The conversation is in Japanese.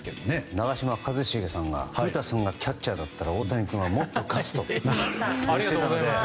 長嶋一茂さんが古田さんがキャッチャーだったら大谷君はもっと勝つと言っていました。